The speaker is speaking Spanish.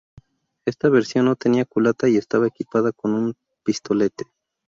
Esta versión no tenía culata y estaba equipada con un pistolete.